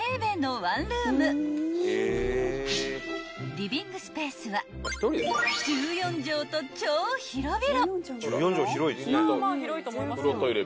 ［リビングスペースは１４畳と超広々］